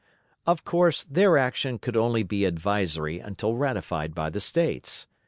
Of course, their action could be only advisory until ratified by the States.